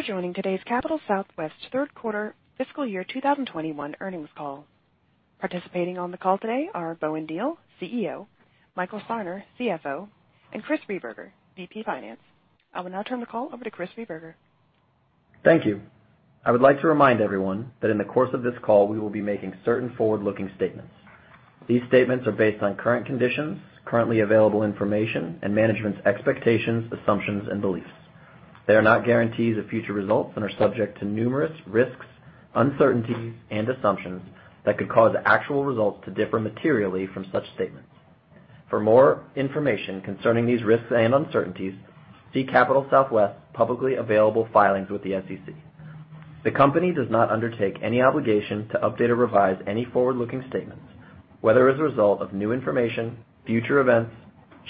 Thank you for joining today's Capital Southwest Third Quarter Fiscal Year 2021 Earnings Call. Participating on the call today are Bowen Diehl, CEO, Michael Sarner, CFO, and Chris Rehberger, VP Finance. I will now turn the call over to Chris Rehberger. Thank you. I would like to remind everyone that in the course of this call, we will be making certain forward-looking statements. These statements are based on current conditions, currently available information, and management's expectations, assumptions, and beliefs. They are not guarantees of future results and are subject to numerous risks, uncertainties, and assumptions that could cause actual results to differ materially from such statements. For more information concerning these risks and uncertainties, see Capital Southwest's publicly available filings with the SEC. The company does not undertake any obligation to update or revise any forward-looking statements, whether as a result of new information, future events,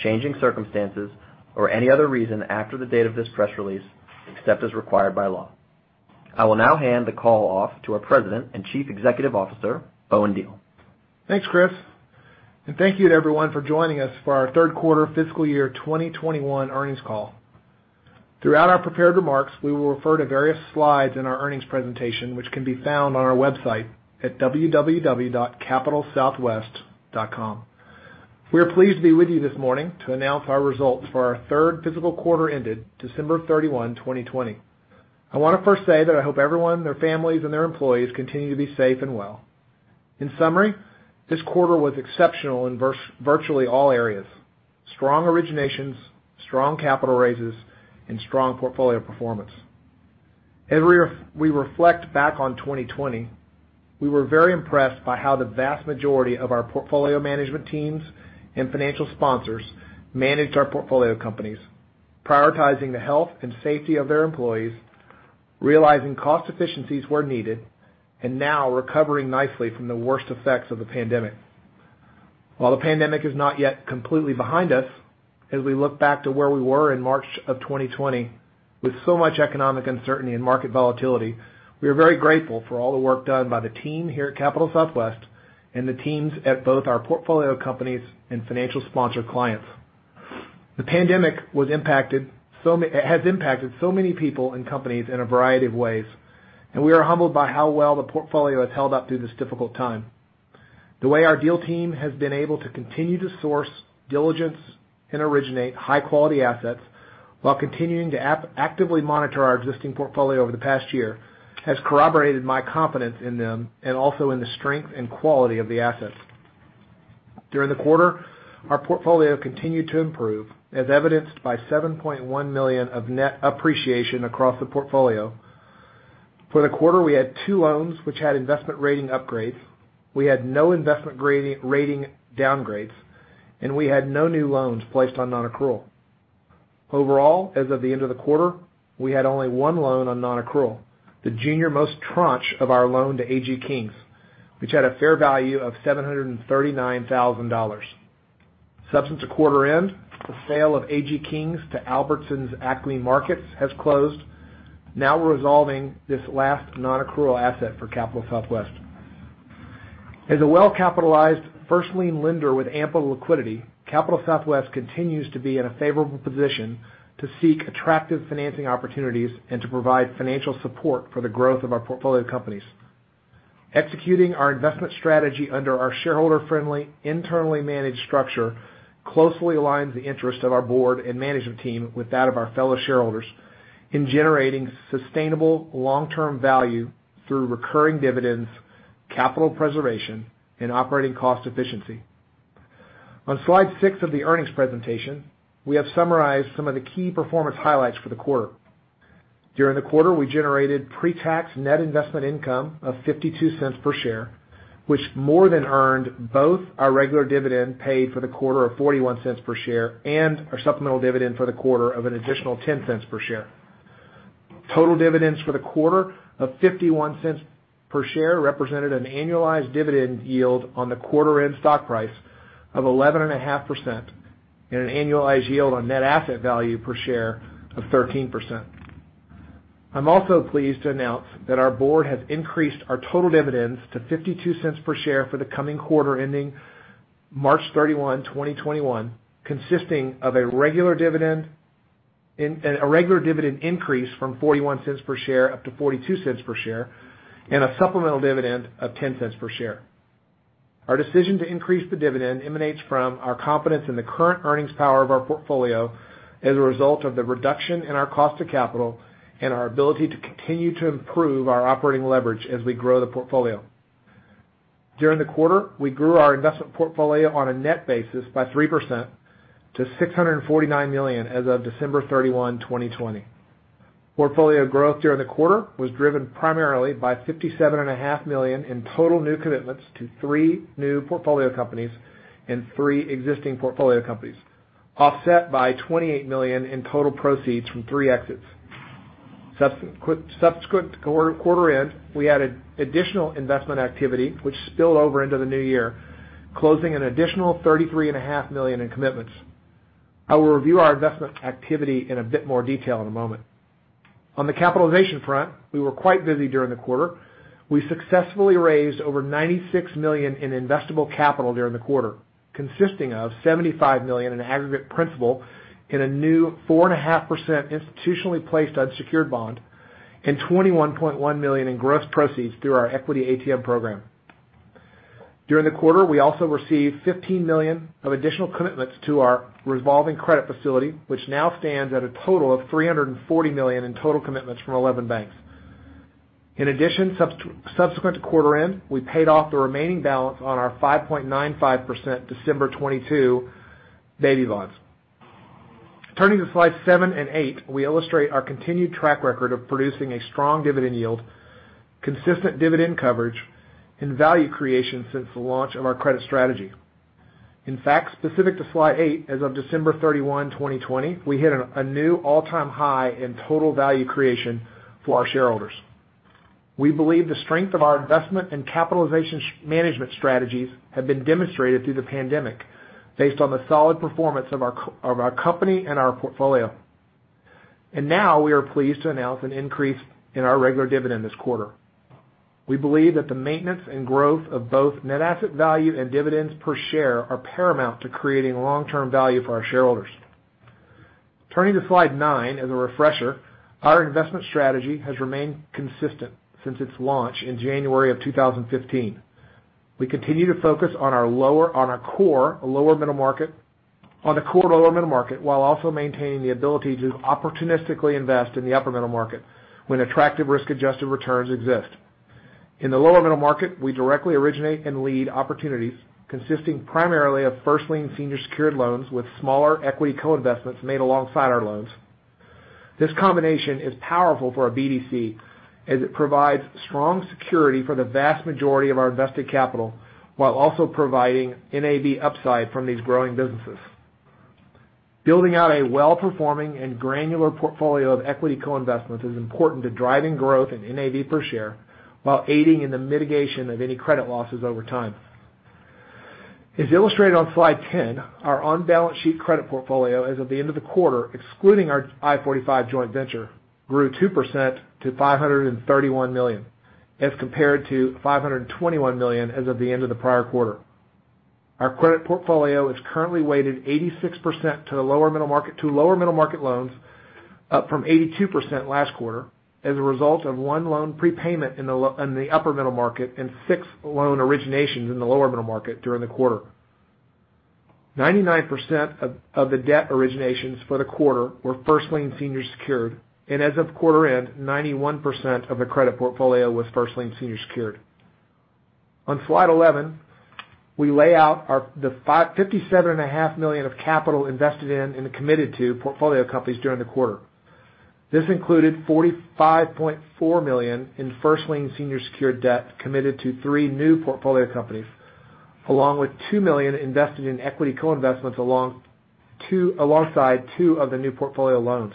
changing circumstances, or any other reason after the date of this press release, except as required by law. I will now hand the call off to our President and Chief Executive Officer, Bowen Diehl. Thanks, Chris, and thank you to everyone for joining us for our third quarter fiscal year 2021 earnings call. Throughout our prepared remarks, we will refer to various slides in our earnings presentation, which can be found on our website at www.capitalsouthwest.com. We are pleased to be with you this morning to announce our results for our third fiscal quarter ended December 31, 2020. I want to first say that I hope everyone, their families, and their employees continue to be safe and well. In summary, this quarter was exceptional in virtually all areas. Strong originations, strong capital raises, and strong portfolio performance. As we reflect back on 2020, we were very impressed by how the vast majority of our portfolio management teams and financial sponsors managed our portfolio companies, prioritizing the health and safety of their employees, realizing cost efficiencies where needed, and now recovering nicely from the worst effects of the pandemic. While the pandemic is not yet completely behind us, as we look back to where we were in March of 2020 with so much economic uncertainty and market volatility, we are very grateful for all the work done by the team here at Capital Southwest and the teams at both our portfolio companies and financial sponsor clients. The pandemic has impacted so many people and companies in a variety of ways, we are humbled by how well the portfolio has held up through this difficult time. The way our deal team has been able to continue to source diligence and originate high-quality assets while continuing to actively monitor our existing portfolio over the past year has corroborated my confidence in them and also in the strength and quality of the assets. During the quarter, our portfolio continued to improve, as evidenced by $7.1 million of net appreciation across the portfolio. For the quarter, we had two loans which had investment rating upgrades. We had no investment rating downgrades, and we had no new loans placed on nonaccrual. Overall, as of the end of the quarter, we had only one loan on nonaccrual, the junior-most tranche of our loan to AG Kings, which had a fair value of $739,000. Subsequent to quarter end, the sale of AG Kings to Albertsons Acme Markets has closed, now resolving this last nonaccrual asset for Capital Southwest. As a well-capitalized first-lien lender with ample liquidity, Capital Southwest continues to be in a favorable position to seek attractive financing opportunities and to provide financial support for the growth of our portfolio companies. Executing our investment strategy under our shareholder-friendly, internally managed structure closely aligns the interest of our board and management team with that of our fellow shareholders in generating sustainable long-term value through recurring dividends, capital preservation, and operating cost efficiency. On slide six of the earnings presentation, we have summarized some of the key performance highlights for the quarter. During the quarter, we generated pre-tax net investment income of $0.52 per share, which more than earned both our regular dividend paid for the quarter of $0.41 per share and our supplemental dividend for the quarter of an additional $0.10 per share. Total dividends for the quarter of $0.51 per share represented an annualized dividend yield on the quarter end stock price of 11.5% and an annualized yield on NAV per share of 13%. I'm also pleased to announce that our board has increased our total dividends to $0.52 per share for the coming quarter ending March 31, 2021, consisting of a regular dividend increase from $0.41 per share up to $0.42 per share and a supplemental dividend of $0.10 per share. Our decision to increase the dividend emanates from our confidence in the current earnings power of our portfolio as a result of the reduction in our cost of capital and our ability to continue to improve our operating leverage as we grow the portfolio. During the quarter, we grew our investment portfolio on a net basis by 3% to $649 million as of December 31, 2020. Portfolio growth during the quarter was driven primarily by $57.5 million in total new commitments to three new portfolio companies and three existing portfolio companies, offset by $28 million in total proceeds from three exits. Subsequent quarter end, we added additional investment activity which spilled over into the new year, closing an additional $33.5 million in commitments. I will review our investment activity in a bit more detail in a moment. On the capitalization front, we were quite busy during the quarter. We successfully raised over $96 million in investable capital during the quarter, consisting of $75 million in aggregate principal in a new 4.5% institutionally placed unsecured bond and $21.1 million in gross proceeds through our equity ATM program. During the quarter, we also received $15 million of additional commitments to our revolving credit facility, which now stands at a total of $340 million in total commitments from 11 banks. In addition, subsequent to quarter end, we paid off the remaining balance on our 5.95% December 2022 baby bonds. Turning to slides seven and eight, we illustrate our continued track record of producing a strong dividend yield, consistent dividend coverage, and value creation since the launch of our credit strategy. In fact, specific to slide eight, as of December 31, 2020, we hit a new all-time high in total value creation for our shareholders. We believe the strength of our investment and capitalization management strategies have been demonstrated through the pandemic based on the solid performance of our company and our portfolio. Now we are pleased to announce an increase in our regular dividend this quarter. We believe that the maintenance and growth of both net asset value and dividends per share are paramount to creating long-term value for our shareholders. Turning to slide nine, as a refresher, our investment strategy has remained consistent since its launch in January of 2015. We continue to focus on the core lower middle market, while also maintaining the ability to opportunistically invest in the upper middle market when attractive risk-adjusted returns exist. In the lower middle market, we directly originate and lead opportunities consisting primarily of first lien senior secured loans with smaller equity co-investments made alongside our loans. This combination is powerful for our BDC as it provides strong security for the vast majority of our invested capital, while also providing NAV upside from these growing businesses. Building out a well-performing and granular portfolio of equity co-investments is important to driving growth in NAV per share, while aiding in the mitigation of any credit losses over time. As illustrated on slide 10, our on-balance-sheet credit portfolio as of the end of the quarter, excluding our I-45 joint venture, grew 2% to $531 million as compared to $521 million as of the end of the prior quarter. Our credit portfolio is currently weighted 86% to lower middle market loans, up from 82% last quarter as a result of one loan prepayment in the upper middle market and six loan originations in the lower middle market during the quarter. 99% of the debt originations for the quarter were first lien senior secured, and as of quarter end, 91% of the credit portfolio was first lien senior secured. On slide 11, we lay out the $57.5 million of capital invested in and committed to portfolio companies during the quarter. This included $45.4 million in first lien senior secured debt committed to three new portfolio companies, along with $2 million invested in equity co-investments alongside two of the new portfolio loans.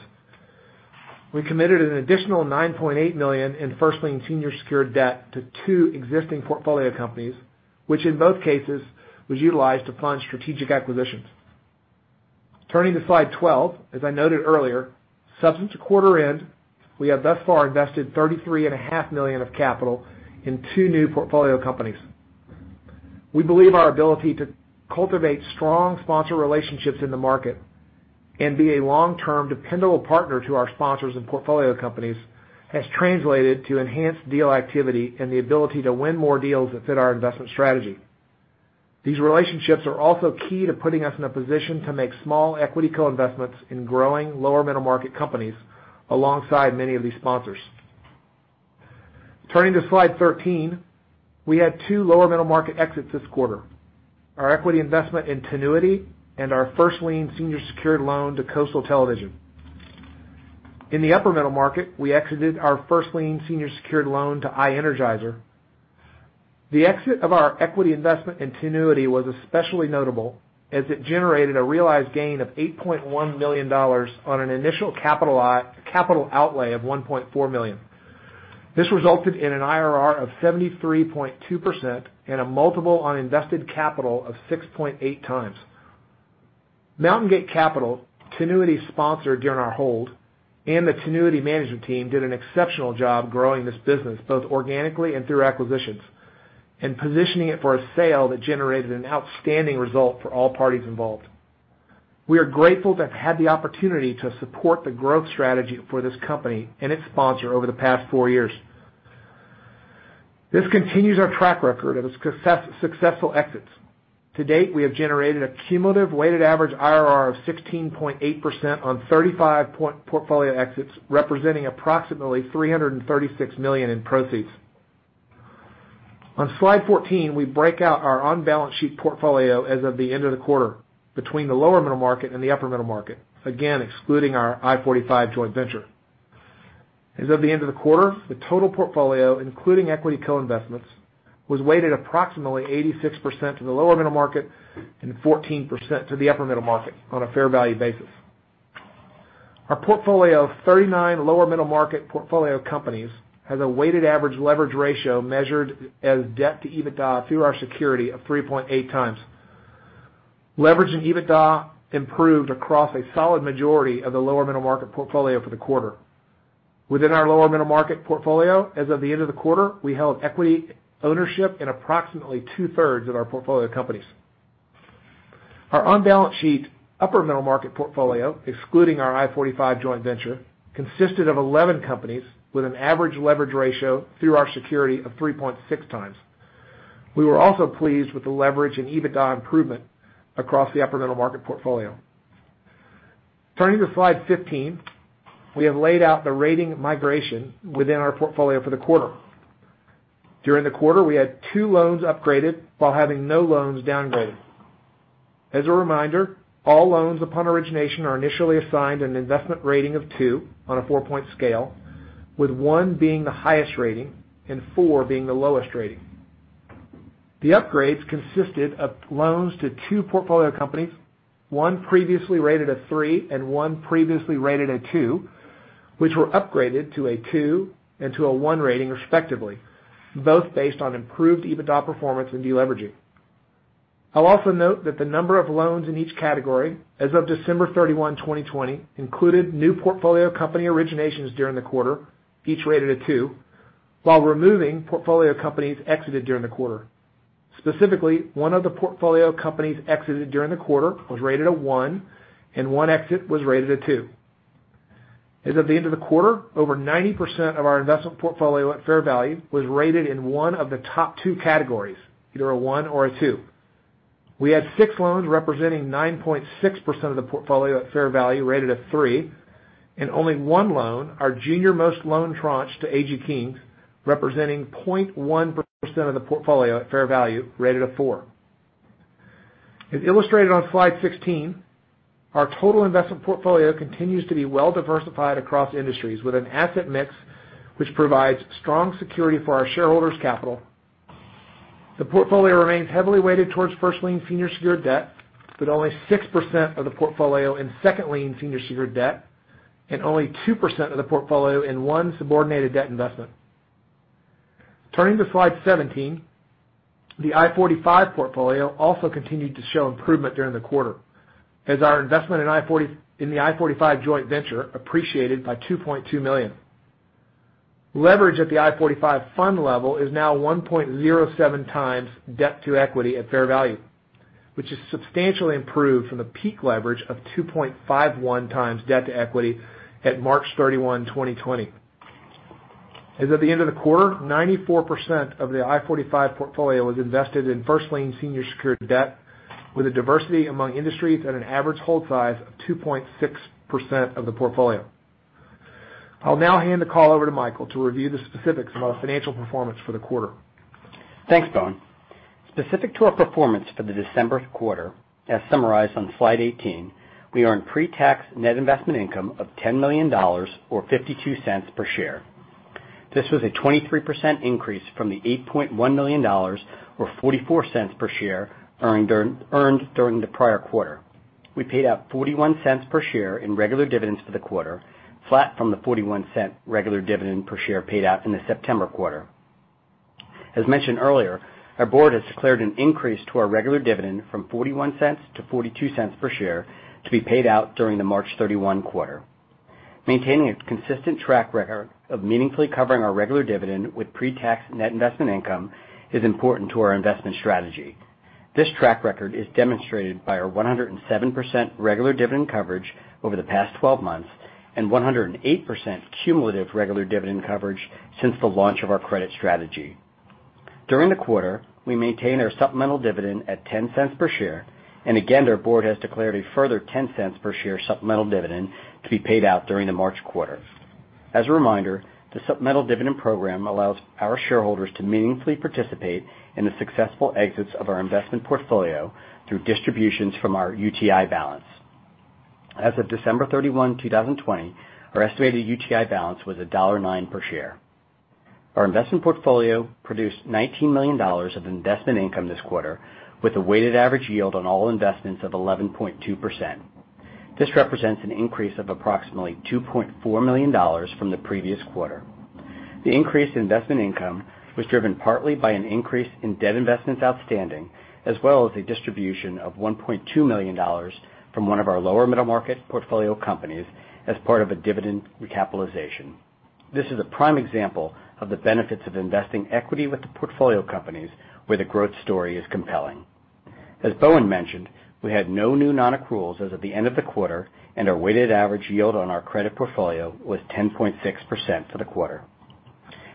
We committed an additional $9.8 million in first lien senior secured debt to two existing portfolio companies, which in both cases was utilized to fund strategic acquisitions. Turning to slide 12, as I noted earlier, subsequent to quarter end, we have thus far invested $33.5 million of capital in two new portfolio companies. We believe our ability to cultivate strong sponsor relationships in the market and be a long-term dependable partner to our sponsors and portfolio companies has translated to enhanced deal activity and the ability to win more deals that fit our investment strategy. These relationships are also key to putting us in a position to make small equity co-investments in growing lower middle market companies alongside many of these sponsors. Turning to slide 13, we had two lower middle market exits this quarter. Our equity investment in Tinuiti and our first lien senior secured loan to Coastal Television. In the upper middle market, we exited our first lien senior secured loan to iEnergizer. The exit of our equity investment in Tinuiti was especially notable as it generated a realized gain of $8.1 million on an initial capital outlay of $1.4 million. This resulted in an IRR of 73.2% and a multiple on invested capital of 6.8x. Mountaingate Capital, Tinuiti's sponsor during our hold, and the Tinuiti management team did an exceptional job growing this business, both organically and through acquisitions, and positioning it for a sale that generated an outstanding result for all parties involved. We are grateful to have had the opportunity to support the growth strategy for this company and its sponsor over the past four years. This continues our track record of successful exits. To date, we have generated a cumulative weighted average IRR of 16.8% on 35 portfolio exits, representing approximately $336 million in proceeds. On slide 14, we break out our on-balance-sheet portfolio as of the end of the quarter between the lower middle market and the upper middle market, again, excluding our I-45 joint venture. As of the end of the quarter, the total portfolio, including equity co-investments, was weighted approximately 86% to the lower middle market and 14% to the upper middle market on a fair value basis. Our portfolio of 39 lower middle market portfolio companies has a weighted average leverage ratio measured as debt to EBITDA through our security of 3.8x. Leverage and EBITDA improved across a solid majority of the lower middle market portfolio for the quarter. Within our lower middle market portfolio, as of the end of the quarter, we held equity ownership in approximately 2/3 of our portfolio companies. Our on-balance sheet upper middle market portfolio, excluding our I-45 joint venture, consisted of 11 companies with an average leverage ratio through our security of 3.6x. We were also pleased with the leverage and EBITDA improvement across the upper middle market portfolio. Turning to slide 15, we have laid out the rating migration within our portfolio for the quarter. During the quarter, we had two loans upgraded while having no loans downgraded. As a reminder, all loans upon origination are initially assigned an investment rating of two on a 4-point scale, with one being the highest rating and four being the lowest rating. The upgrades consisted of loans to two portfolio companies, one previously rated a three and one previously rated a two, which were upgraded to a two and to a one rating respectively, both based on improved EBITDA performance and de-leveraging. I'll also note that the number of loans in each category as of December 31, 2020, included new portfolio company originations during the quarter, each rated a two, while removing portfolio companies exited during the quarter. Specifically, one of the portfolio companies exited during the quarter was rated a one, and one exit was rated a two. As of the end of the quarter, over 90% of our investment portfolio at fair value was rated in one of the top two categories, either a one or a two. We had six loans representing 9.6% of the portfolio at fair value rated a three, and only one loan, our junior most loan tranche to AG Kings, representing 0.1% of the portfolio at fair value, rated a four. As illustrated on Slide 16, our total investment portfolio continues to be well diversified across industries with an asset mix which provides strong security for our shareholders' capital. The portfolio remains heavily weighted towards first lien senior secured debt, with only 6% of the portfolio in second lien senior secured debt and only 2% of the portfolio in one subordinated debt investment. Turning to slide 17, the I-45 portfolio also continued to show improvement during the quarter as our investment in the I-45 joint venture appreciated by $2.2 million. Leverage at the I-45 fund level is now 1.07x debt to equity at fair value, which is substantially improved from the peak leverage of 2.51x debt to equity at March 31, 2020. As of the end of the quarter, 94% of the I-45 portfolio was invested in first lien senior secured debt with a diversity among industries at an average hold size of 2.6% of the portfolio. I'll now hand the call over to Michael to review the specifics of our financial performance for the quarter. Thanks, Bowen. Specific to our performance for the December quarter, as summarized on slide 18, we earned pre-tax net investment income of $10 million, or $0.52 per share. This was a 23% increase from the $8.1 million or $0.44 per share earned during the prior quarter. We paid out $0.41 per share in regular dividends for the quarter, flat from the $0.41 regular dividend per share paid out in the September quarter. As mentioned earlier, our board has declared an increase to our regular dividend from $0.41-$0.42 per share to be paid out during the March 31 quarter. Maintaining a consistent track record of meaningfully covering our regular dividend with pre-tax net investment income is important to our investment strategy. This track record is demonstrated by our 107% regular dividend coverage over the past 12 months and 108% cumulative regular dividend coverage since the launch of our credit strategy. During the quarter, we maintained our supplemental dividend at $0.10 per share. Again, our board has declared a further $0.10 per share supplemental dividend to be paid out during the March quarter. As a reminder, the supplemental dividend program allows our shareholders to meaningfully participate in the successful exits of our investment portfolio through distributions from our UTI balance. As of December 31, 2020, our estimated UTI balance was $1.09 per share. Our investment portfolio produced $19 million of investment income this quarter, with a weighted average yield on all investments of 11.2%. This represents an increase of approximately $2.4 million from the previous quarter. The increase in investment income was driven partly by an increase in debt investments outstanding, as well as a distribution of $1.2 million from one of our lower middle market portfolio companies as part of a dividend recapitalization. This is a prime example of the benefits of investing equity with the portfolio companies where the growth story is compelling. As Bowen mentioned, we had no new non-accruals as of the end of the quarter, and our weighted average yield on our credit portfolio was 10.6% for the quarter.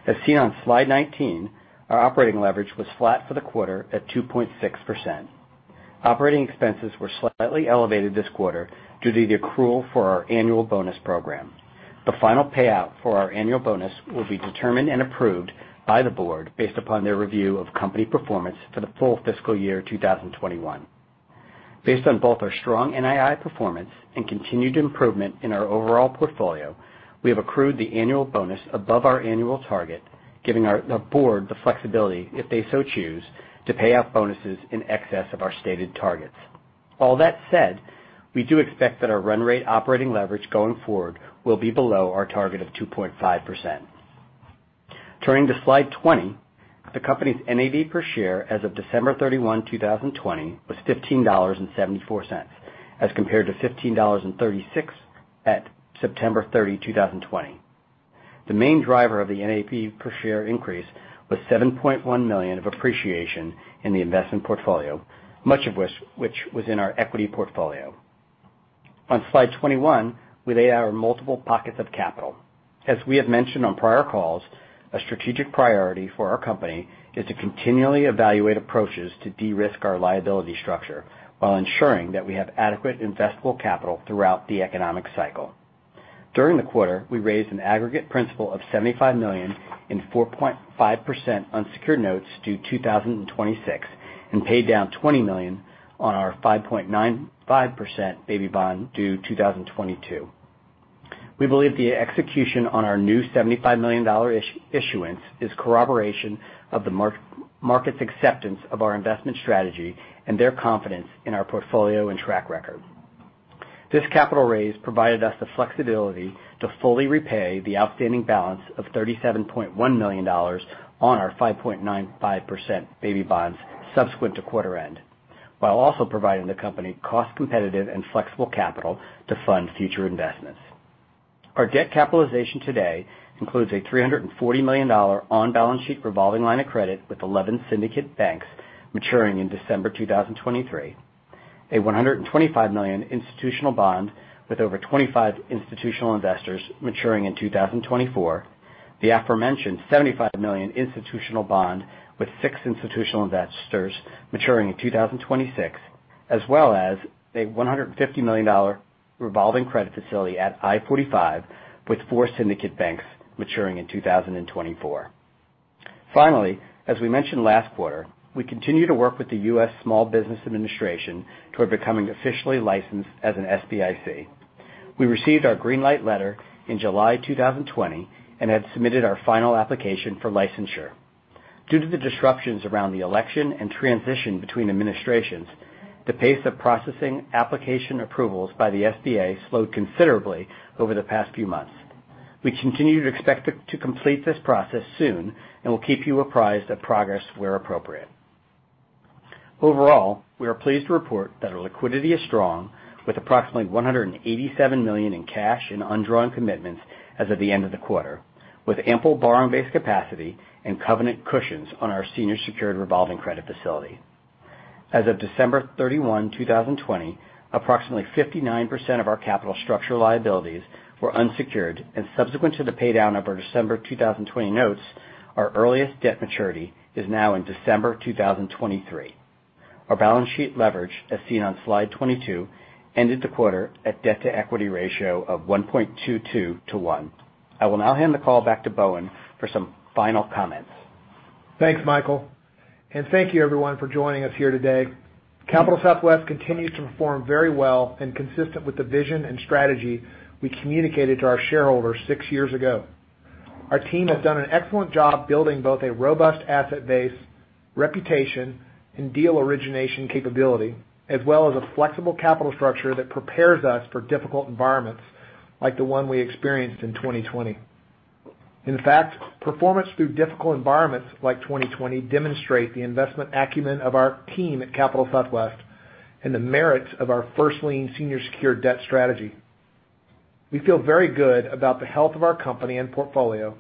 As seen on Slide 19, our operating leverage was flat for the quarter at 2.6%. Operating expenses were slightly elevated this quarter due to the accrual for our annual bonus program. The final payout for our annual bonus will be determined and approved by the board based upon their review of company performance for the full fiscal year 2021. Based on both our strong NII performance and continued improvement in our overall portfolio, we have accrued the annual bonus above our annual target, giving our board the flexibility, if they so choose, to pay out bonuses in excess of our stated targets. All that said, we do expect that our run rate operating leverage going forward will be below our target of 2.5%. Turning to slide 20, the company's NAV per share as of December 31, 2020, was $15.74 as compared to $15.36 at September 30, 2020. The main driver of the NAV per share increase was $7.1 million of appreciation in the investment portfolio, much of which was in our equity portfolio. On slide 21, we lay out our multiple pockets of capital. As we have mentioned on prior calls, a strategic priority for our company is to continually evaluate approaches to de-risk our liability structure while ensuring that we have adequate investable capital throughout the economic cycle. During the quarter, we raised an aggregate principal of $75 million in 4.5% unsecured notes due 2026 and paid down $20 million on our 5.95% baby bond due 2022. We believe the execution on our new $75 million issuance is corroboration of the market's acceptance of our investment strategy and their confidence in our portfolio and track record. This capital raise provided us the flexibility to fully repay the outstanding balance of $37.1 million on our 5.95% baby bonds subsequent to quarter end, while also providing the company cost competitive and flexible capital to fund future investments. Our debt capitalization today includes a $340 million on-balance sheet revolving line of credit with 11 syndicate banks maturing in December 2023, a $125 million institutional bond with over 25 institutional investors maturing in 2024, the aforementioned $75 million institutional bond with six institutional investors maturing in 2026, as well as a $150 million revolving credit facility at I-45 with four syndicate banks maturing in 2024. Finally, as we mentioned last quarter, we continue to work with the U.S. Small Business Administration toward becoming officially licensed as an SBIC. We received our green light letter in July 2020 and had submitted our final application for licensure. Due to the disruptions around the election and transition between administrations, the pace of processing application approvals by the SBA slowed considerably over the past few months. We continue to expect to complete this process soon and will keep you apprised of progress where appropriate. Overall, we are pleased to report that our liquidity is strong with approximately $187 million in cash and undrawn commitments as of the end of the quarter, with ample borrowing-based capacity and covenant cushions on our senior secured revolving credit facility. As of December 31, 2020, approximately 59% of our capital structure liabilities were unsecured, and subsequent to the pay-down of our December 2020 notes, our earliest debt maturity is now in December 2023. Our balance sheet leverage, as seen on Slide 22, ended the quarter at debt-to-equity ratio of 1.22:1. I will now hand the call back to Bowen for some final comments. Thanks, Michael, and thank you, everyone, for joining us here today. Capital Southwest continues to perform very well and consistent with the vision and strategy we communicated to our shareholders six years ago. Our team has done an excellent job building both a robust asset base, reputation, and deal origination capability, as well as a flexible capital structure that prepares us for difficult environments like the one we experienced in 2020. In fact, performance through difficult environments like 2020 demonstrate the investment acumen of our team at Capital Southwest and the merits of our first lien senior secured debt strategy. We feel very good about the health of our company and portfolio,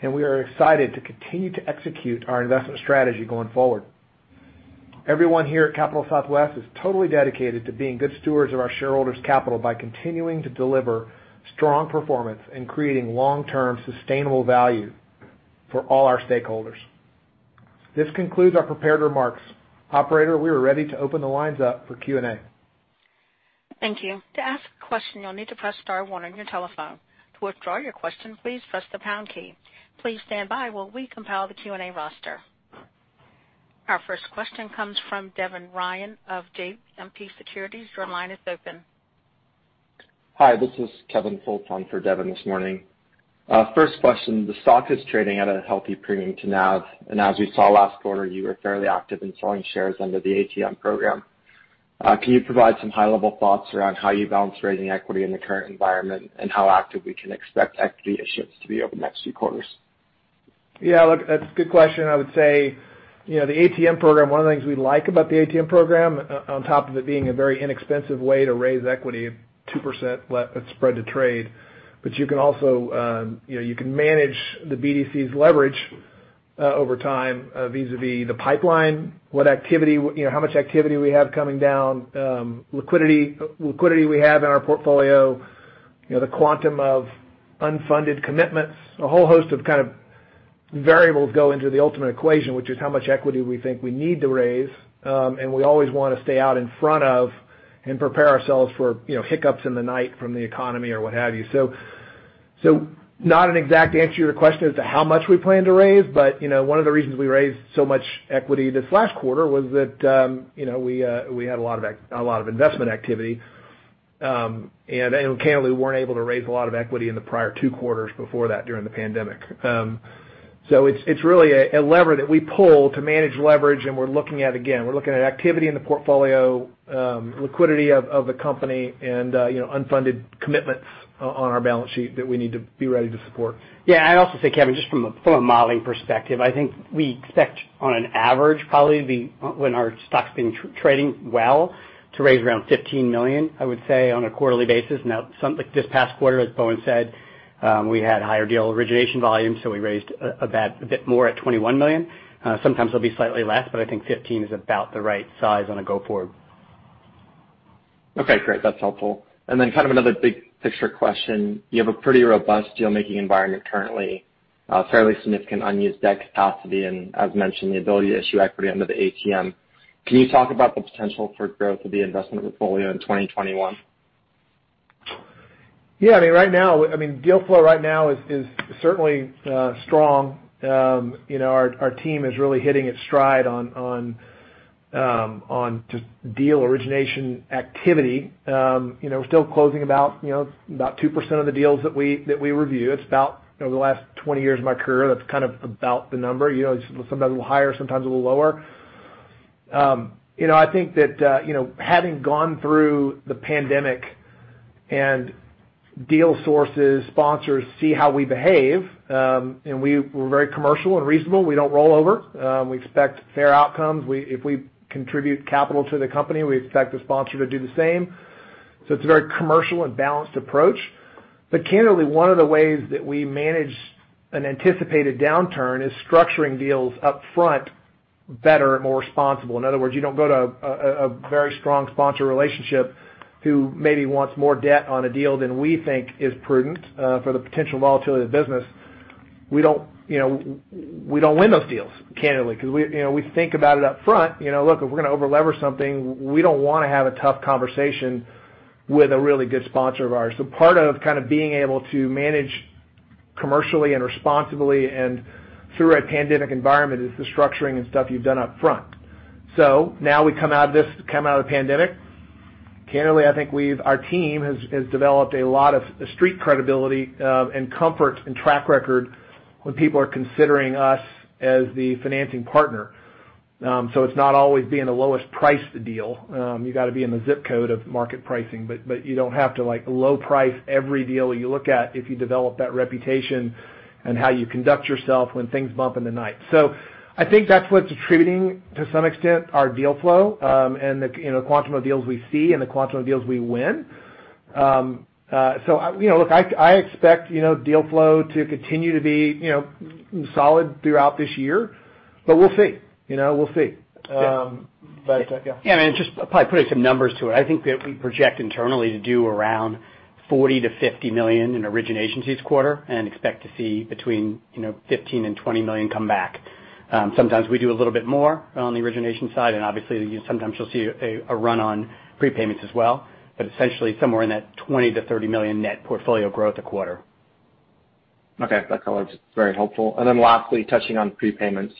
and we are excited to continue to execute our investment strategy going forward. Everyone here at Capital Southwest is totally dedicated to being good stewards of our shareholders' capital by continuing to deliver strong performance and creating long-term sustainable value for all our stakeholders. This concludes our prepared remarks. Operator, we are ready to open the lines up for Q&A. Thank you, to ask a question you'll need to press star one on your telephone. To withdraw your question, please press the pound key. Please stand by while we compile the Q&A roster. Our first question comes from Devin Ryan of JMP Securities. Your line is open. Hi, this is Kevin Fultz for Devin this morning. First question, the stock is trading at a healthy premium to NAV, and as we saw last quarter, you were fairly active in selling shares under the ATM program. Can you provide some high-level thoughts around how you balance raising equity in the current environment and how active we can expect equity issuance to be over the next few quarters? Yeah, look, that's a good question. I would say the ATM program, one of the things we like about the ATM program, on top of it being a very inexpensive way to raise equity at 2% spread to trade. You can manage the BDC's leverage over time vis-à-vis the pipeline, how much activity we have coming down, liquidity we have in our portfolio, the quantum of unfunded commitments. A whole host of variables go into the ultimate equation, which is how much equity we think we need to raise. We always want to stay out in front of and prepare ourselves for hiccups in the night from the economy or what have you. Not an exact answer to your question as to how much we plan to raise, but one of the reasons we raised so much equity this last quarter was that we had a lot of investment activity. Candidly, we weren't able to raise a lot of equity in the prior two quarters before that during the pandemic. It's really a lever that we pull to manage leverage, and we're looking at, again, activity in the portfolio, liquidity of the company, and unfunded commitments on our balance sheet that we need to be ready to support. Yeah. I'd also say, Kevin, just from an average, probably when our stock's been trading well, to raise around $15 million, I would say, on a quarterly basis. Now, this past quarter, as Bowen said. We had higher deal origination volume, so we raised a bit more at $21 million. Sometimes it'll be slightly less, but I think $15 million is about the right size on a go-forward. Okay, great. That's helpful. Kind of another big-picture question. You have a pretty robust deal-making environment currently, fairly significant unused debt capacity and, as mentioned, the ability to issue equity under the ATM. Can you talk about the potential for growth of the investment portfolio in 2021? Yeah. Deal flow right now is certainly strong. Our team is really hitting its stride on just deal origination activity. We're still closing about 2% of the deals that we review. It's about the last 20 years of my career, that's kind of about the number. Sometimes a little higher, sometimes a little lower. I think that having gone through the pandemic and deal sources, sponsors see how we behave, and we're very commercial and reasonable. We don't roll over. We expect fair outcomes. If we contribute capital to the company, we expect the sponsor to do the same. It's a very commercial and balanced approach. Candidly, one of the ways that we manage an anticipated downturn is structuring deals up front better and more responsible. In other words, you don't go to a very strong sponsor relationship who maybe wants more debt on a deal than we think is prudent for the potential volatility of the business. We don't win those deals, candidly, because we think about it up front. Look, if we're going to over-lever something, we don't want to have a tough conversation with a really good sponsor of ours. Part of kind of being able to manage commercially and responsibly and through a pandemic environment is the structuring and stuff you've done up front. Now we come out of the pandemic. Candidly, I think our team has developed a lot of street credibility and comfort and track record when people are considering us as the financing partner. It's not always being the lowest price to deal. You got to be in the ZIP code of market pricing, but you don't have to low price every deal you look at if you develop that reputation and how you conduct yourself when things bump in the night. I think that's what's attributing, to some extent, our deal flow, and the quantum of deals we see and the quantum of deals we win. Look, I expect deal flow to continue to be solid throughout this year, but we'll see. Yeah, and just probably put some numbers to it. I think that we project internally to do around $40 million-$50 million in originations each quarter and expect to see between $15 million and $20 million come back. Sometimes we do a little bit more on the origination side, and obviously sometimes you'll see a run on prepayments as well, but essentially somewhere in that $20 million-$30 million net portfolio growth a quarter. Okay. That's very helpful. Then lastly, touching on prepayments,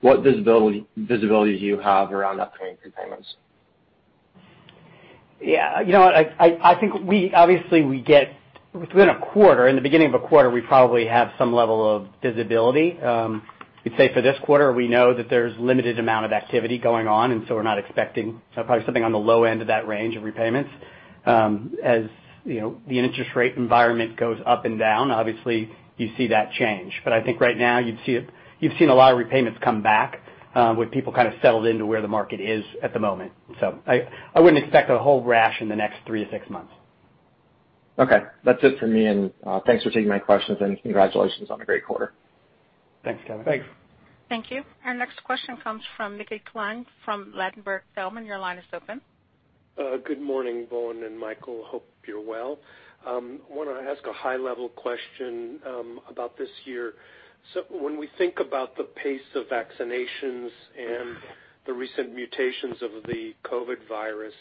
what visibility do you have around upcoming prepayments? Yeah. I think obviously within a quarter, in the beginning of a quarter, we probably have some level of visibility. We'd say for this quarter, we know that there's limited amount of activity going on. So we're not expecting, probably something on the low end of that range of repayments. As the interest rate environment goes up and down, obviously you see that change. I think right now you've seen a lot of repayments come back with people kind of settled into where the market is at the moment. I wouldn't expect a whole rash in the next three to six months. Okay. That's it for me, and thanks for taking my questions and congratulations on a great quarter. Thanks, Kevin. Thanks. Thank you. Our next question comes from Mickey Schleien from Ladenburg Thalmann. Your line is open. Good morning, Bowen and Michael. Hope you're well. I want to ask a high-level question about this year. When we think about the pace of vaccinations and the recent mutations of the COVID virus,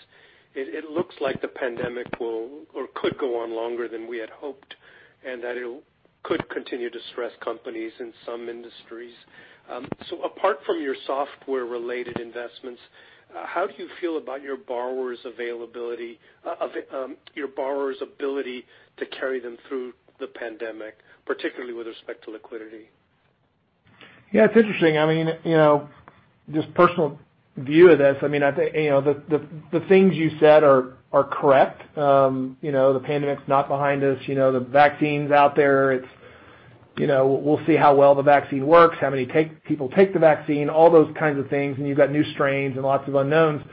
it looks like the pandemic will or could go on longer than we had hoped, and that it could continue to stress companies in some industries. Apart from your software-related investments, how do you feel about your borrower's ability to carry them through the pandemic, particularly with respect to liquidity? Yeah, it's interesting. Just personal view of this, the things you said are correct. The pandemic's not behind us. The vaccine's out there. We'll see how well the vaccine works, how many people take the vaccine, all those kinds of things, and you've got new strains and lots of unknowns.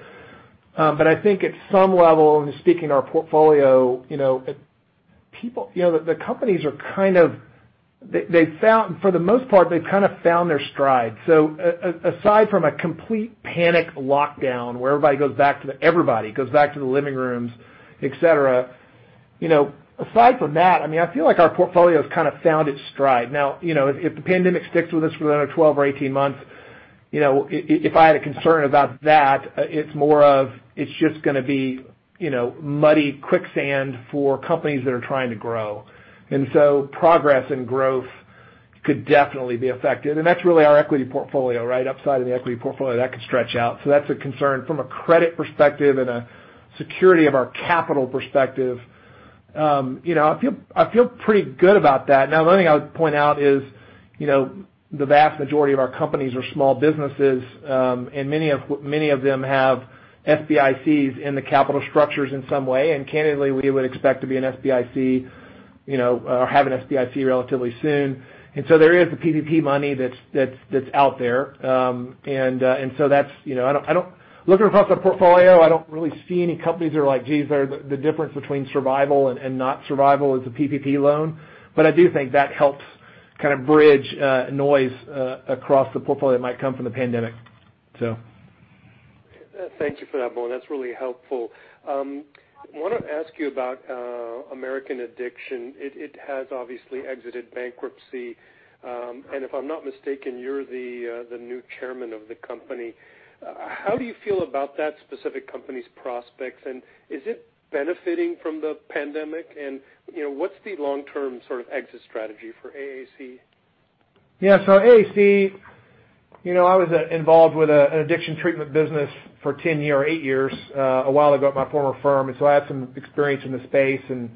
I think at some level, and speaking to our portfolio, the companies, for the most part, they've kind of found their stride. Aside from a complete panic lockdown where everybody goes back to the living rooms, et cetera, aside from that, I feel like our portfolio has kind of found its stride. Now, if the pandemic sticks with us for another 12 or 18 months, if I had a concern about that, it's more of, it's just going to be muddy quicksand for companies that are trying to grow. Progress and growth could definitely be affected. That's really our equity portfolio. Upside of the equity portfolio, that could stretch out. That's a concern from a credit perspective and a security of our capital perspective. I feel pretty good about that. The only thing I would point out is the vast majority of our companies are small businesses, and many of them have SBICs in the capital structures in some way. Candidly, we would expect to be an SBIC or have an SBIC relatively soon. There is the PPP money that's out there. Looking across our portfolio, I don't really see any companies that are like, geez, the difference between survival and not survival is a PPP loan. I do think that helps kind of bridge noise across the portfolio that might come from the pandemic. Thank you for that, Bowen. That's really helpful. I want to ask you about American Addiction. It has obviously exited bankruptcy, and if I'm not mistaken, you're the new chairman of the company. How do you feel about that specific company's prospects, and is it benefiting from the pandemic? What's the long-term sort of exit strategy for AAC? Yeah. AAC, I was involved with an addiction treatment business for 10 year or eight years, a while ago at my former firm. I have some experience in the space and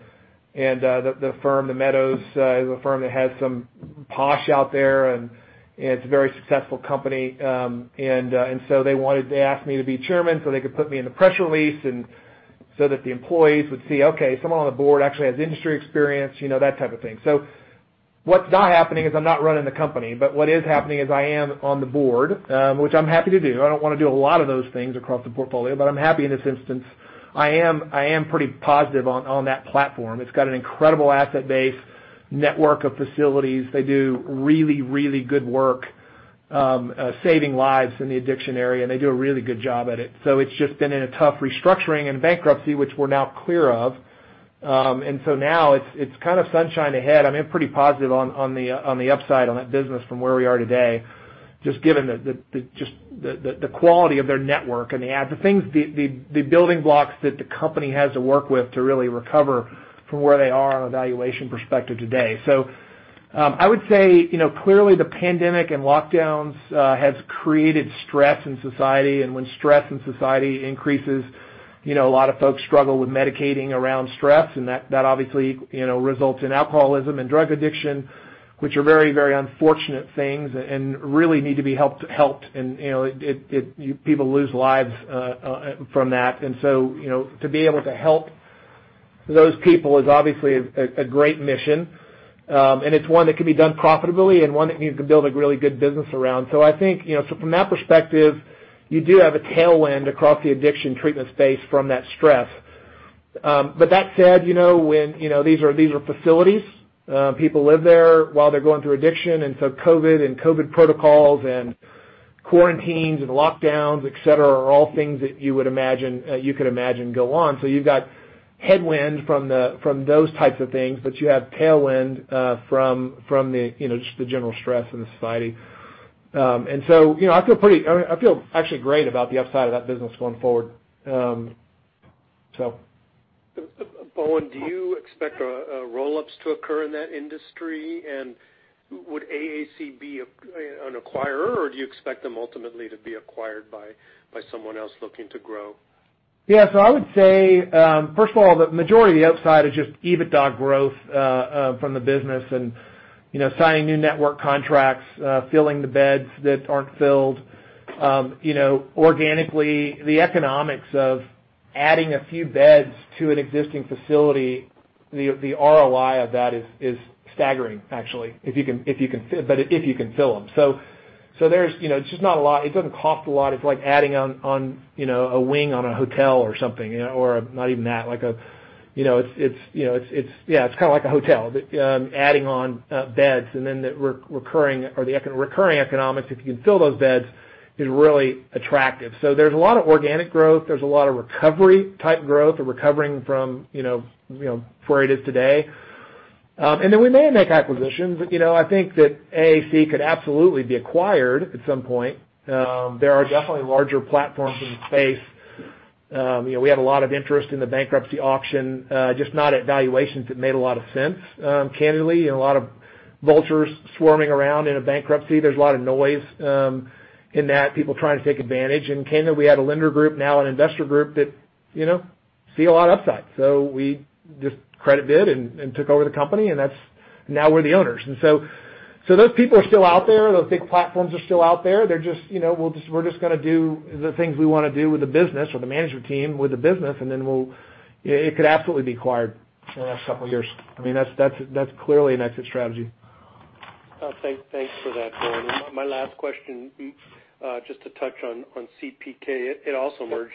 the firm, The Meadows, the firm that has some posh out there, and it's a very successful company. They asked me to be chairman, so they could put me in the press release and so that the employees would see, okay, someone on the board actually has industry experience, that type of thing. What's not happening is I'm not running the company, but what is happening is I am on the board, which I'm happy to do. I don't want to do a lot of those things across the portfolio, but I'm happy in this instance. I am pretty positive on that platform. It's got an incredible asset base, network of facilities. They do really, really good work saving lives in the addiction area. They do a really good job at it. It's just been in a tough restructuring and bankruptcy, which we're now clear of. Now it's kind of sunshine ahead. I'm pretty positive on the upside on that business from where we are today, just given that just the quality of their network and the building blocks that the company has to work with to really recover from where they are on a valuation perspective today. I would say, clearly the pandemic and lockdowns has created stress in society. When stress in society increases, a lot of folks struggle with medicating around stress, and that obviously results in alcoholism and drug addiction, which are very, very unfortunate things and really need to be helped. People lose lives from that. To be able to help those people is obviously a great mission. It's one that can be done profitably and one that you can build a really good business around. I think from that perspective, you do have a tailwind across the addiction treatment space from that stress. That said, these are facilities. People live there while they're going through addiction, and so COVID and COVID protocols and quarantines and lockdowns, et cetera, are all things that you could imagine go on. You've got headwind from those types of things, but you have tailwind from just the general stress in the society. I feel actually great about the upside of that business going forward. Bowen, do you expect roll-ups to occur in that industry, and would AAC be an acquirer, or do you expect them ultimately to be acquired by someone else looking to grow? Yeah. I would say, first of all, the majority of the upside is just EBITDA growth from the business and signing new network contracts, filling the beds that aren't filled. Organically, the economics of adding a few beds to an existing facility, the ROI of that is staggering, actually, but if you can fill them. It doesn't cost a lot. It's like adding on a wing on a hotel or something, or not even that. It's kind of like a hotel, adding on beds and the recurring economics, if you can fill those beds, is really attractive. There's a lot of organic growth. There's a lot of recovery type growth or recovering from where it is today. We may make acquisitions. I think that AAC could absolutely be acquired at some point. There are definitely larger platforms in the space. We had a lot of interest in the bankruptcy auction, just not at valuations that made a lot of sense, candidly. A lot of vultures swarming around in a bankruptcy. There is a lot of noise in that, people trying to take advantage. In Canada, we had a lender group, now an investor group that see a lot of upside. We just credit bid and took over the company, and now we're the owners. Those people are still out there. Those big platforms are still out there. We're just going to do the things we want to do with the business or the management team with the business, and then it could absolutely be acquired in the next couple of years. That's clearly an exit strategy. Thanks for that, Bowen. My last question, just to touch on CPK. It also emerged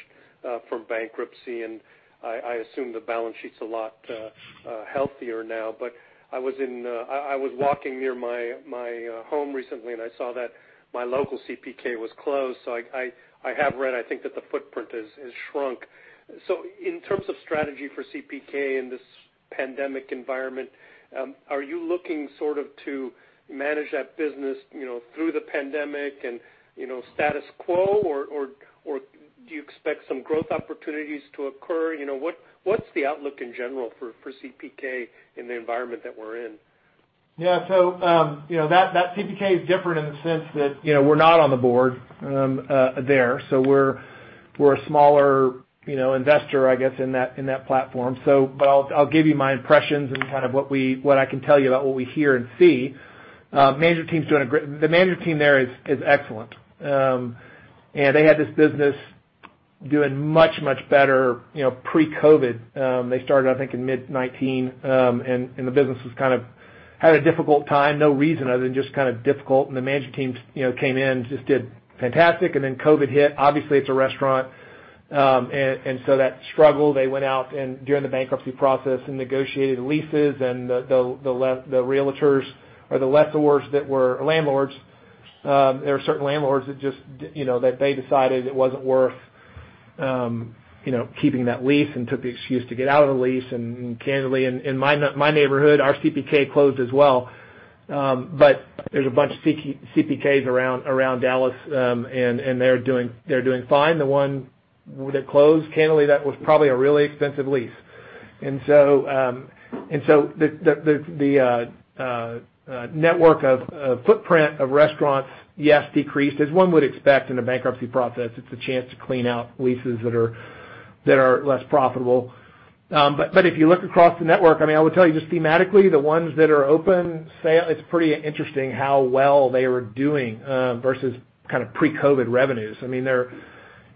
from bankruptcy, and I assume the balance sheet's a lot healthier now, but I was walking near my home recently, and I saw that my local CPK was closed. I have read, I think that the footprint has shrunk. In terms of strategy for CPK in this pandemic environment, are you looking sort of to manage that business through the pandemic and status quo, or do you expect some growth opportunities to occur? What's the outlook in general for CPK in the environment that we're in? Yeah. That CPK is different in the sense that we're not on the board there. We're a smaller investor, I guess, in that platform. I'll give you my impressions and kind of what I can tell you about what we hear and see. The management team there is excellent. They had this business doing much, much better pre-COVID. They started, I think, in mid 2019. The business had a difficult time, no reason other than just kind of difficult, and the management team came in, just did fantastic. COVID hit. Obviously, it's a restaurant. That struggle, they went out and during the bankruptcy process and negotiated leases and the realtors or the lessors that were landlords, there were certain landlords that they decided it wasn't worth keeping that lease and took the excuse to get out of the lease. Candidly, in my neighborhood, our CPK closed as well. There's a bunch of CPKs around Dallas, and they're doing fine. The one that closed, candidly, that was probably a really expensive lease. The network of footprint of restaurants, yes, decreased. As one would expect in a bankruptcy process, it's a chance to clean out leases that are less profitable. If you look across the network, I would tell you just thematically, the ones that are open, it's pretty interesting how well they were doing, versus pre-COVID revenues.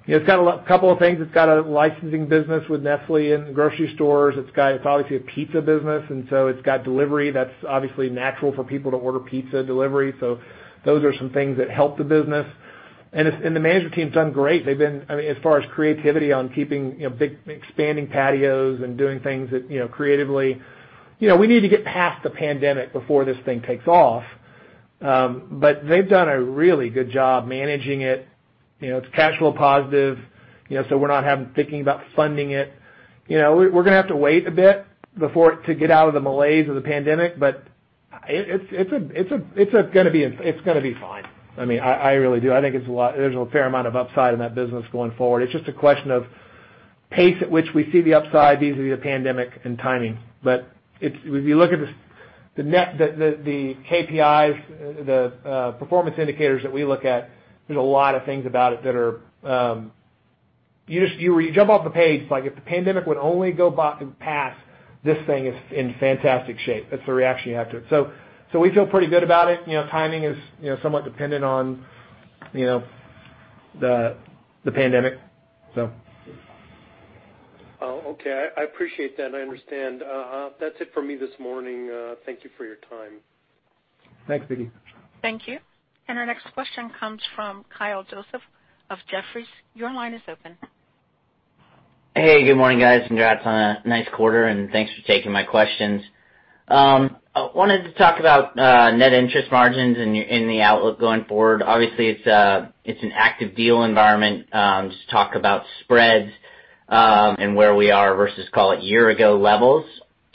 It's got a couple of things. It's got a licensing business with Nestlé in grocery stores. It's obviously a pizza business, and so it's got delivery that's obviously natural for people to order pizza, delivery. Those are some things that help the business. The management team's done great. As far as creativity on keeping big expanding patios and doing things that creatively. We need to get past the pandemic before this thing takes off. They've done a really good job managing it. It's cash flow positive, so we're not thinking about funding it. We're going to have to wait a bit to get out of the malaise of the pandemic, but it's going to be fine. I really do. I think there's a fair amount of upside in that business going forward. It's just a question of pace at which we see the upside vis-à-vis the pandemic and timing. If you look at the KPIs, the performance indicators that we look at, there's a lot of things about it that are, you jump off the page, if the pandemic would only go by and pass, this thing is in fantastic shape. That's the reaction you have to it. We feel pretty good about it. Timing is somewhat dependent on the pandemic. Okay. I appreciate that. I understand. That's it for me this morning. Thank you for your time. Thanks, Mickey. Thank you. Our next question comes from Kyle Joseph of Jefferies. Your line is open. Hey, good morning, guys. Congrats on a nice quarter, and thanks for taking my questions. I wanted to talk about net interest margins and the outlook going forward. Obviously, it's an active deal environment. Just talk about spreads, and where we are versus call it year-ago levels.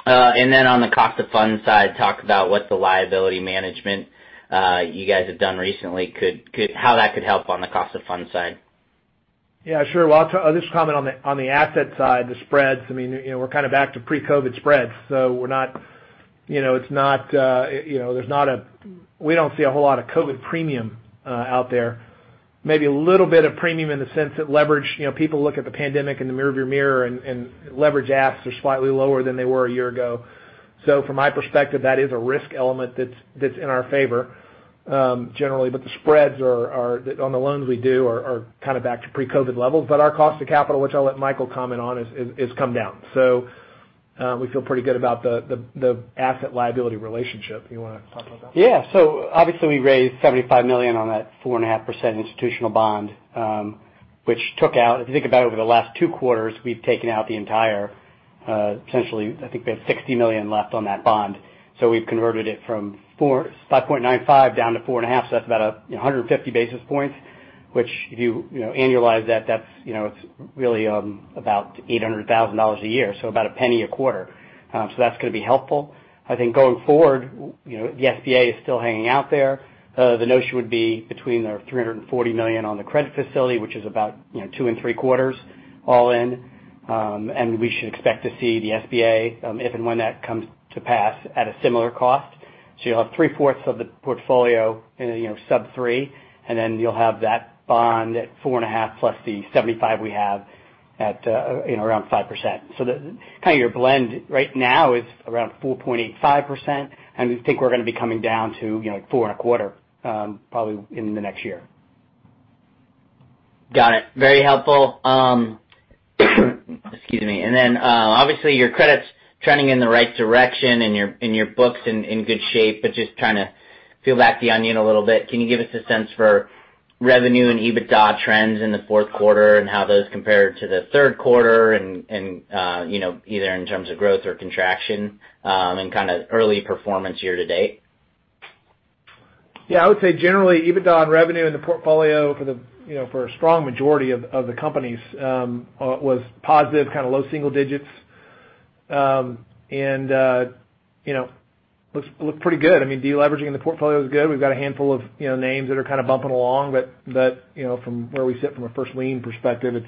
Then on the cost of funds side, talk about what the liability management you guys have done recently, how that could help on the cost of funds side. Sure. I'll just comment on the asset side, the spreads. We're kind of back to pre-COVID spreads, we don't see a whole lot of COVID premium out there. Maybe a little bit of premium in the sense that leverage, people look at the pandemic in the mirror of your mirror and leverage asks are slightly lower than they were a year ago. From my perspective, that is a risk element that's in our favor, generally. The spreads on the loans we do are kind of back to pre-COVID levels. Our cost of capital, which I'll let Michael comment on, has come down. We feel pretty good about the asset liability relationship. You want to talk about that? Obviously we raised $75 million on that 4.5% institutional bond, which took out, if you think about it, over the last two quarters, we've taken out the entire, essentially, I think we have $60 million left on that bond. We've converted it from 5.95% down to 4.5%. That's about 150 basis points, which if you annualize that's really about $800,000 a year, about $0.01 a quarter. That's going to be helpful. I think going forward, the SBA is still hanging out there. The notion would be between our $340 million on the credit facility, which is about 2.75% all in. We should expect to see the SBA, if and when that comes to pass, at a similar cost. You'll have three fourths of the portfolio in the sub three, and then you'll have that bond at 4.5%+ the 75 we have at around 5%. Kind of your blend right now is around 4.85%, and we think we're going to be coming down to 4.25%, probably in the next year. Got it. Very helpful. Excuse me. Obviously, your credit's trending in the right direction and your book's in good shape, but just trying to peel back the onion a little bit. Can you give us a sense for revenue and EBITDA trends in the fourth quarter, and how those compared to the third quarter and either in terms of growth or contraction, and kind of early performance year to date? Yeah, I would say generally, EBITDA and revenue in the portfolio for a strong majority of the companies, was positive, kind of low single digits. It looked pretty good. Deleveraging in the portfolio is good. We've got a handful of names that are kind of bumping along, but from where we sit from a first lien perspective,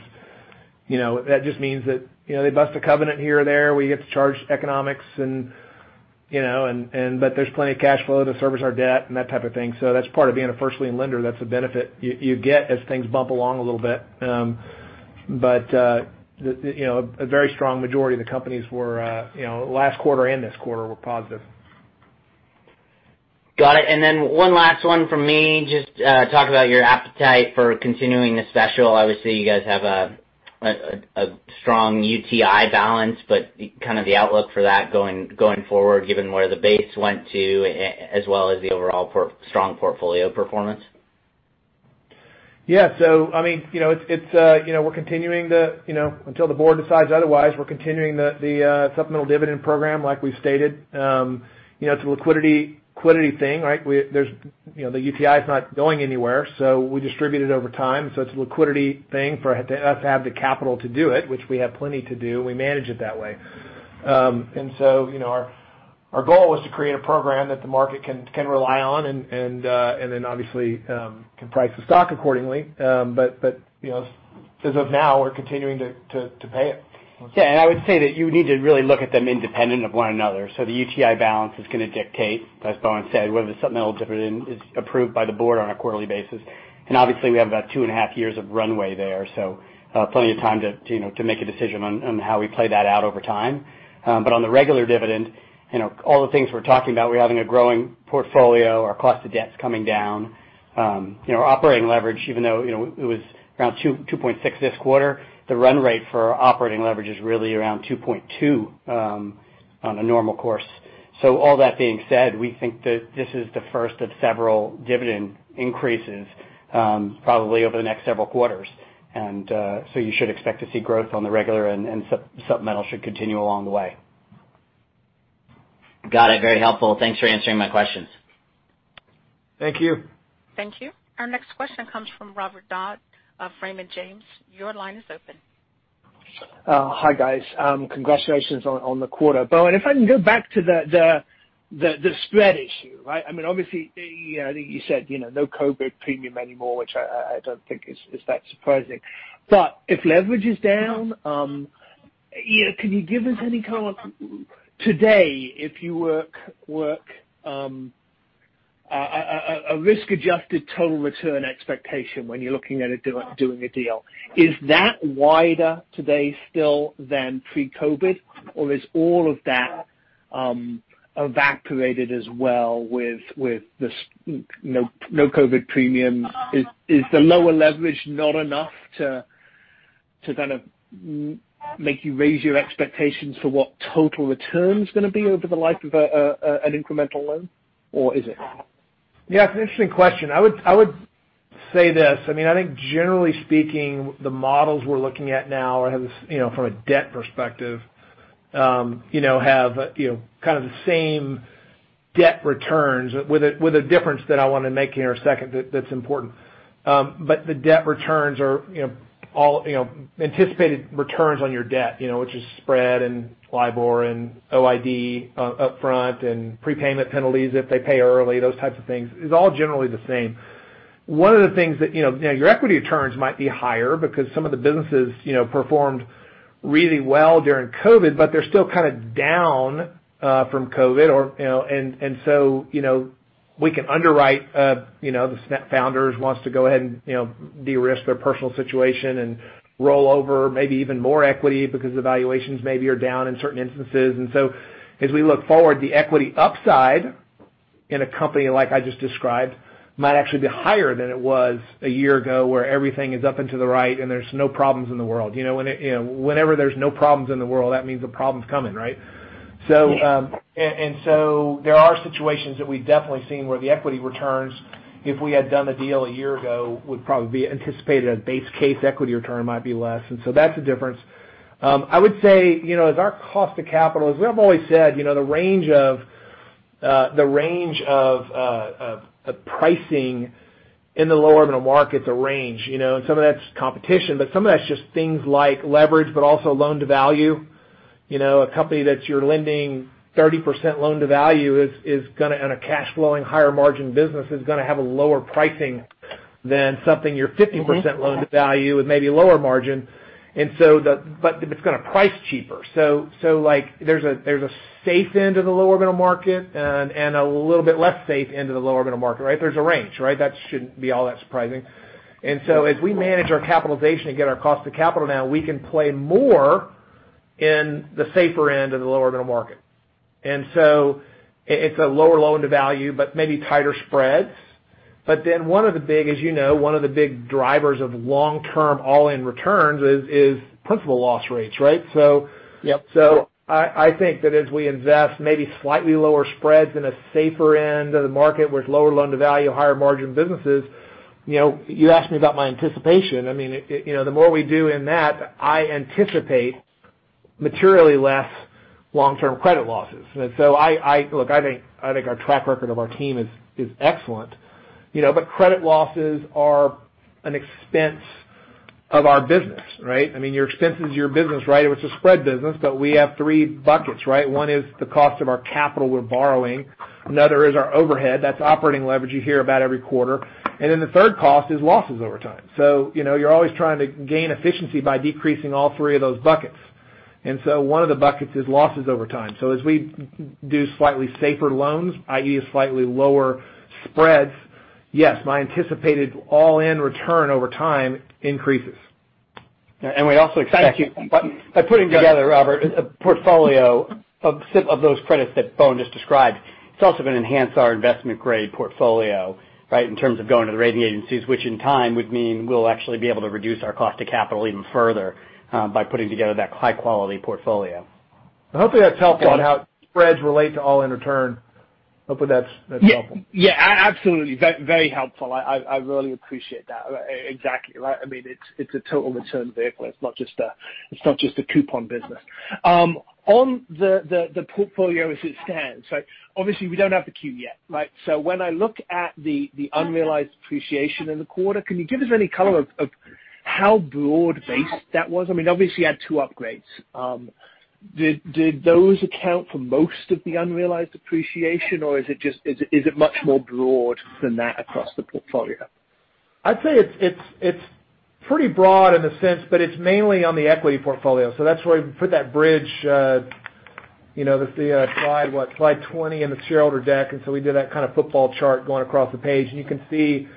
that just means that they bust a covenant here or there. We get to charge economics but there's plenty of cash flow to service our debt and that type of thing. That's part of being a first lien lender. That's a benefit you get as things bump along a little bit. A very strong majority of the companies last quarter and this quarter were positive. Got it. One last one from me. Just talk about your appetite for continuing the special. Obviously, you guys have a strong UTI balance, kind of the outlook for that going forward, given where the base went to, as well as the overall strong portfolio performance. Yeah. We're continuing, until the board decides otherwise, we're continuing the supplemental dividend program like we've stated. It's a liquidity thing, right? The UTI is not going anywhere. We distribute it over time. It's a liquidity thing for us to have the capital to do it, which we have plenty to do, and we manage it that way. Our goal was to create a program that the market can rely on and then obviously can price the stock accordingly. As of now, we're continuing to pay it. Yeah, I would say that you need to really look at them independent of one another. The UTI balance is going to dictate, as Bowen said, whether the supplemental dividend is approved by the board on a quarterly basis. Obviously we have about two and a half years of runway there, plenty of time to make a decision on how we play that out over time. On the regular dividend, all the things we're talking about, we're having a growing portfolio, our cost of debt is coming down. Operating leverage, even though it was around 2.6 this quarter, the run rate for operating leverage is really around 2.2 on a normal course. All that being said, we think that this is the first of several dividend increases probably over the next several quarters. You should expect to see growth on the regular and supplemental should continue along the way. Got it. Very helpful. Thanks for answering my questions. Thank you. Thank you. Our next question comes from Robert Dodd of Raymond James. Your line is open. Hi, guys. Congratulations on the quarter. Bowen, if I can go back to the spread issue, right? I think you said, no COVID premium anymore, which I don't think is that surprising. If leverage is down, can you give us any comment today if you work a risk-adjusted total return expectation when you're looking at doing a deal? Is that wider today still than pre-COVID, or is all of that evaporated as well with this no COVID premium? Is the lower leverage not enough to kind of make you raise your expectations for what total return's going to be over the life of an incremental loan or is it? Yeah, it's an interesting question. I would say this. I think generally speaking, the models we're looking at now from a debt perspective have kind of the same debt returns with a difference that I want to make here in a second that's important. The debt returns are all anticipated returns on your debt, which is spread and LIBOR and OID up front and prepayment penalties if they pay early, those types of things, is all generally the same. One of the things that, your equity returns might be higher because some of the businesses performed really well during COVID, but they're still kind of down from COVID. We can underwrite, the founders wants to go ahead and de-risk their personal situation and roll over maybe even more equity because the valuations maybe are down in certain instances. As we look forward, the equity upside in a company like I just described might actually be higher than it was a year ago, where everything is up and to the right and there's no problems in the world. Whenever there's no problems in the world, that means a problem's coming, right? There are situations that we've definitely seen where the equity returns, if we had done the deal a year ago, would probably be anticipated a base case equity return might be less. That's a difference. I would say, as our cost of capital, as we have always said, the range of pricing in the lower middle market's a range. Some of that's competition, but some of that's just things like leverage, but also loan-to-value. A company that you're lending 30% loan to value and a cash flowing higher margin business is going to have a lower pricing than something you're 50% loan to value with maybe a lower margin. It's going to price cheaper. There's a safe end of the lower middle market and a little bit less safe end of the lower middle market, right? There's a range, right? That shouldn't be all that surprising. As we manage our capitalization and get our cost of capital now, we can play more in the safer end of the lower middle market. It's a lower loan-to-value, but maybe tighter spreads. As you know, one of the big drivers of long-term all-in returns is principal loss rates, right? Yep. I think that as we invest maybe slightly lower spreads in a safer end of the market with lower loan-to-value, higher margin businesses. You asked me about my anticipation. The more we do in that, I anticipate materially less long-term credit losses. Look, I think our track record of our team is excellent. Credit losses are an expense of our business, right? Your expense is your business, right? It's a spread business, but we have three buckets, right? One is the cost of our capital we're borrowing. Another is our overhead. That's operating leverage you hear about every quarter. The third cost is losses over time. You're always trying to gain efficiency by decreasing all three of those buckets. One of the buckets is losses over time. As we do slightly safer loans, i.e., slightly lower spreads, yes, my anticipated all-in return over time increases. We also expect- Thank you. By putting together, Robert, a portfolio of those credits that Bowen just described, it's also going to enhance our investment grade portfolio, right, in terms of going to the rating agencies. Which in time would mean we'll actually be able to reduce our cost to capital even further by putting together that high-quality portfolio. Hopefully that's helpful on how spreads relate to all-in return. I hope that's helpful. Yeah. Absolutely. Very helpful. I really appreciate that. Exactly. It's a total return vehicle. It's not just a coupon business. On the portfolio as it stands, obviously we don't have the Q yet, right? When I look at the unrealized appreciation in the quarter, can you give us any color of how broad-based that was? Obviously you had two upgrades. Did those account for most of the unrealized appreciation or is it much more broad than that across the portfolio? I'd say it's pretty broad in a sense, but it's mainly on the equity portfolio. That's where we put that bridge, that's the slide, what, slide 20 in the shareholder deck. We did that kind of football chart going across the page. You can see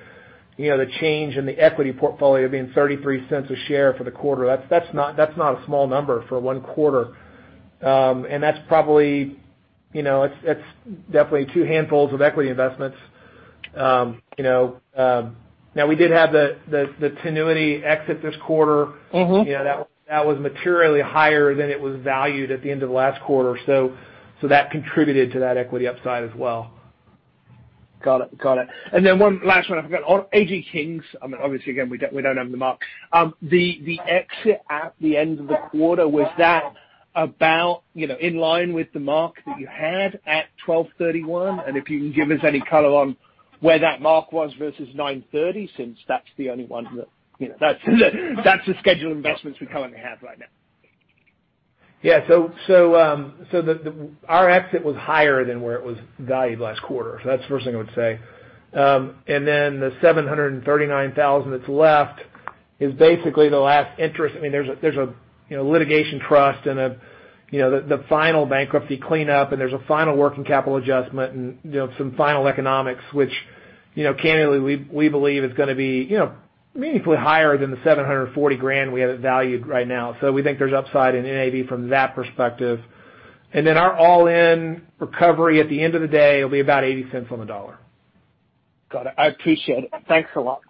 the change in the equity portfolio being $0.33 a share for the quarter. That's not a small number for one quarter. That's probably definitely two handfuls of equity investments. We did have the Tinuiti exit this quarter. That was materially higher than it was valued at the end of last quarter. That contributed to that equity upside as well. Got it. Got it. One last one. I forgot. On AG Kings, obviously again, we don't own the mark. The exit at the end of the quarter, was that about in line with the mark that you had at 12/31? If you can give us any color on where that mark was versus 9/30, since that's the only one that's the scheduled investments we currently have right now. Our exit was higher than where it was valued last quarter. That's the first thing I would say. The $739,000 that's left is basically the last interest. There's a litigation trust and the final bankruptcy cleanup, there's a final working capital adjustment and some final economics, which candidly, we believe is going to be meaningfully higher than the $740,000 we have it valued right now. We think there's upside in NAV from that perspective. Our all-in recovery at the end of the day will be about $0.80 on the dollar. Got it. I appreciate it. Thanks a lot.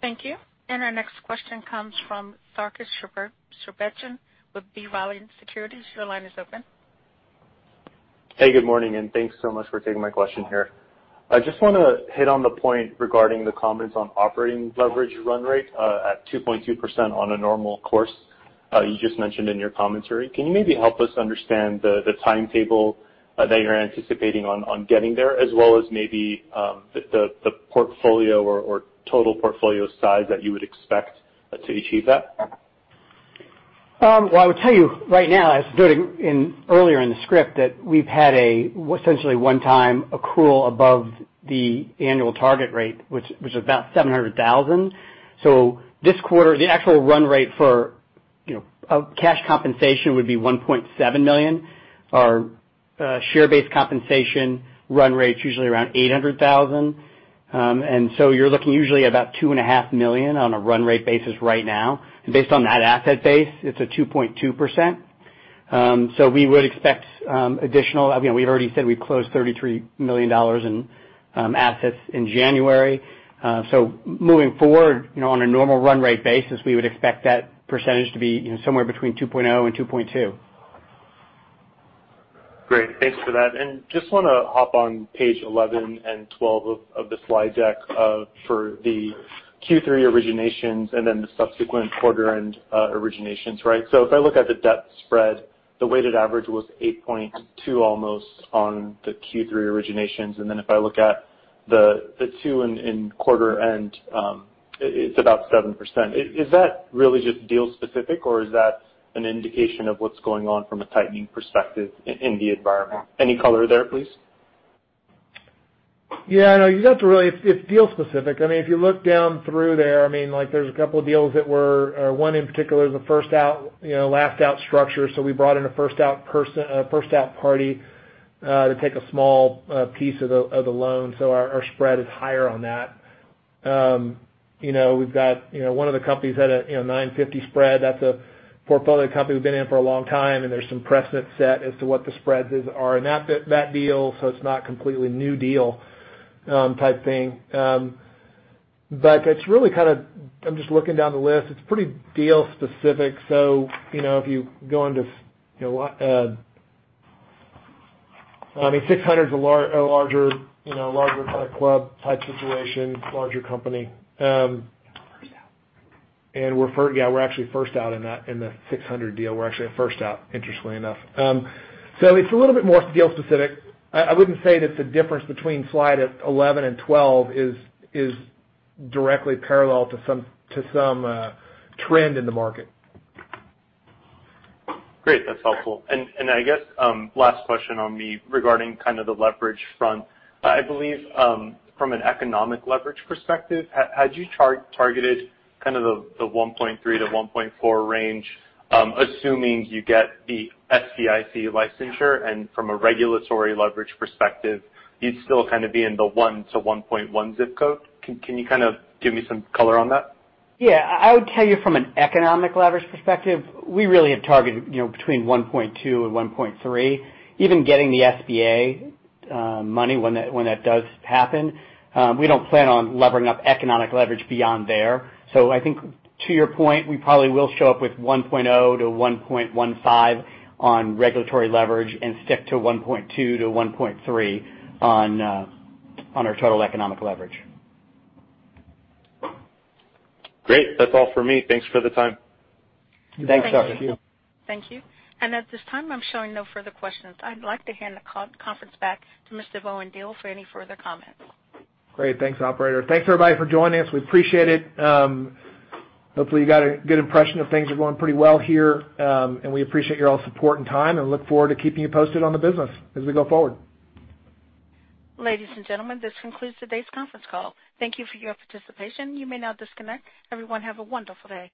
Thank you. Our next question comes from Sarkis Sherbetchyan with B. Riley Securities. Your line is open. Good morning, thanks so much for taking my question here. I just want to hit on the point regarding the comments on operating leverage run rate, at 2.2% on a normal course. You just mentioned in your commentary. Can you maybe help us understand the timetable that you're anticipating on getting there, as well as maybe, the portfolio or total portfolio size that you would expect to achieve that? I would tell you right now as noted earlier in the script, that we've had essentially a one-time accrual above the annual target rate, which was about $700,000. This quarter, the actual run rate for cash compensation would be $1.7 million. Our share-based compensation run rate's usually around $800,000. You're looking usually about $2.5 million on a run rate basis right now. Based on that asset base, it's a 2.2%. We've already said we've closed $33 million in assets in January. Moving forward on a normal run rate basis, we would expect that percentage to be somewhere between 2.0%-2.2%. Great. Thanks for that. Just want to hop on page 11 and 12 of the slide deck, for the Q3 originations and then the subsequent quarter end originations, right? If I look at the debt spread, the weighted average was 8.2 almost on the Q3 originations. Then if I look at the two in quarter end, it's about 7%. Is that really just deal specific or is that an indication of what's going on from a tightening perspective in the environment? Any color there, please? Yeah. You'd have to really, it's deal specific. If you look down through there's a couple of deals or one in particular is a first out, last out structure. We brought in a first out party, to take a small piece of the loan. Our spread is higher on that. We've got one of the companies had a 950 spread. That's a portfolio company we've been in for a long time, and there's some precedent set as to what the spreads are in that deal. It's not completely new deal type thing. It's really kind of, I'm just looking down the list. It's pretty deal specific. If you go, 600 is a larger kind of club type situation, larger company. First out. We're actually first out in the 600 deal. We're actually a first out, interestingly enough. It's a little bit more deal specific. I wouldn't say that the difference between slide 11 and 12 is directly parallel to some trend in the market. Great. That's helpful. I guess, last question on the regarding kind of the leverage front. I believe, from an economic leverage perspective, had you targeted kind of the 1.3-1.4 range, assuming you get the SBIC licensure and from a regulatory leverage perspective, you'd still kind of be in the 1-1.1 zip code. Can you kind of give me some color on that? Yeah. I would tell you from an economic leverage perspective, we really have targeted between 1.2 and 1.3. Even getting the SBA money when that does happen, we don't plan on levering up economic leverage beyond there. I think to your point, we probably will show up with 1.0-1.15 on regulatory leverage and stick to 1.2-1.3 on our total economic leverage. Great. That's all for me. Thanks for the time. Thanks, Sarkis. Thank you. At this time, I'm showing no further questions. I'd like to hand the conference back to Mr. Bowen Diehl for any further comments. Great. Thanks, operator. Thanks everybody for joining us. We appreciate it. Hopefully, you got a good impression that things are going pretty well here, and we appreciate your all support and time and look forward to keeping you posted on the business as we go forward. Ladies and gentlemen, this concludes today's conference call. Thank you for your participation. You may now disconnect. Everyone, have a wonderful day.